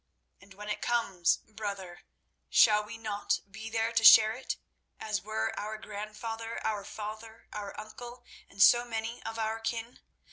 And when it comes, brother, shall we not be there to share it, as were our grandfather, our father, our uncle, and so many of our kin?